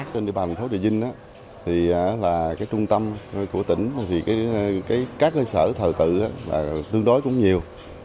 trên địa bàn phố địa vinh trung tâm của tỉnh các cơ sở thờ tư tương đối cũng nhiều